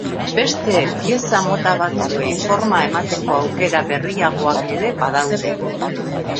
Beste pieza mota batzuei forma emateko aukera berriagoak ere badaude.